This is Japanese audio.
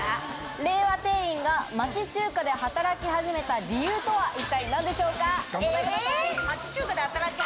令和店員が町中華で働き始めた理由とは一体何でしょうか？